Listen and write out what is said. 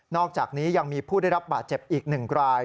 อกจากนี้ยังมีผู้ได้รับบาดเจ็บอีก๑ราย